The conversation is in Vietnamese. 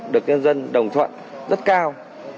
được nhân dân đồng thuận rất cao